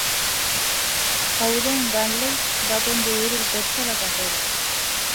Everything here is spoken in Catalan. Howden Ganley va conduir el cotxe a la carrera.